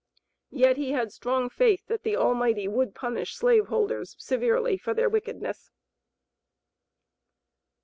Yet he had strong faith that the Almighty would punish slave holders severely for their wickedness.